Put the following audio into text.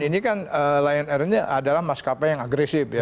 ini kan lion air ini adalah maskapai yang agresif ya